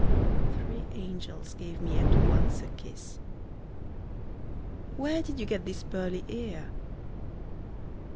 Three angels gave me at once a kiss. Where did you get this pearly ear?